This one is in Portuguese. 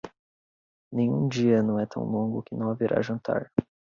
Nenhum dia não é tão longo que não haverá jantar.